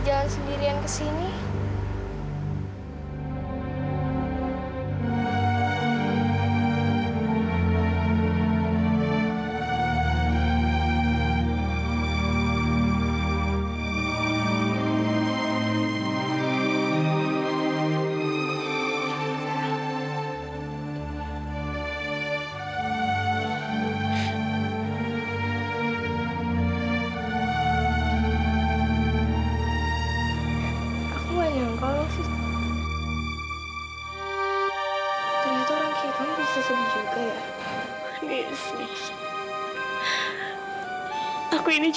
dan sebenarnya aku takut